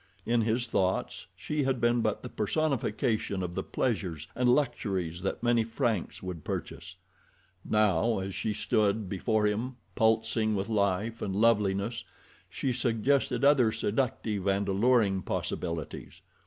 In his thoughts she had been but the personification of the pleasures and luxuries that many francs would purchase. Now as she stood before him pulsing with life and loveliness she suggested other seductive and alluring possibilities.